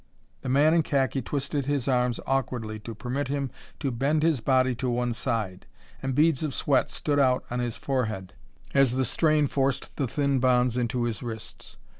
The man in khaki twisted his arms awkwardly to permit him to bend his body to one side, and beads of sweat stood out on his forehead as the strain forced the thin bonds into his wrists.